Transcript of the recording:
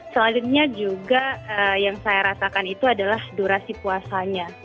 selanjutnya juga yang saya rasakan itu adalah durasi puasanya